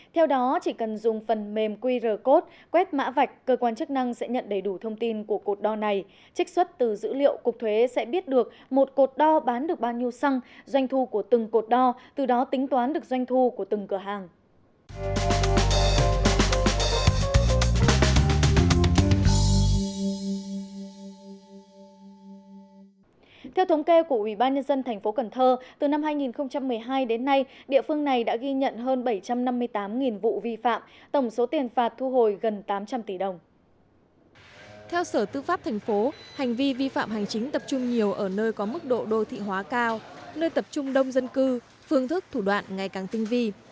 theo sở tư pháp thành phố hành vi vi phạm hành chính tập trung nhiều ở nơi có mức độ đô thị hóa cao nơi tập trung đông dân cư phương thức thủ đoạn ngày càng tinh vi